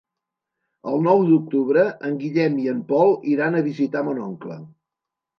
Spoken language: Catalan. El nou d'octubre en Guillem i en Pol iran a visitar mon oncle.